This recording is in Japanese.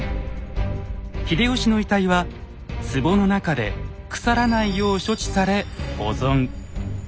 秀吉の遺体はつぼの中で腐らないよう処置され保存。